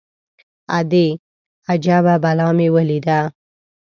_ادې! اجبه بلا مې وليده.